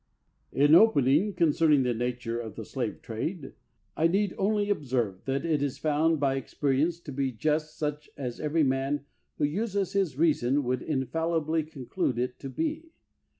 In opening, concerning the nature of the slave trade, I need only observe that it is found by experience to be just such as every man who uses his reason would infallibly conclude it to be.